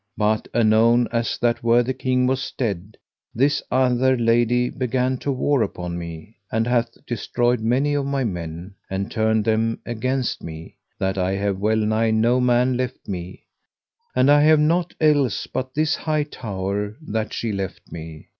But anon as that worthy king was dead, this other lady began to war upon me, and hath destroyed many of my men, and turned them against me, that I have well nigh no man left me; and I have nought else but this high tower that she left me.